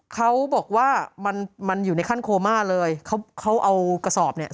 เขาบอกว่ามันมันอยู่ในขั้นโคม่าเลยเขาเขาเอากระสอบเนี่ย